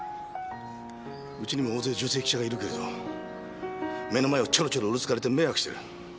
ウチにも大勢女性記者がいるけど目の前をチョロチョロうろつかれて迷惑してる。